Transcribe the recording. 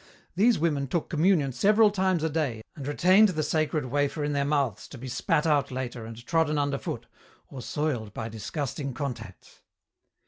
These women took communion several times a day and retained the sacred wafer in their mouths to be spat out later and trodden underfoot or soiled by disgusting contacts."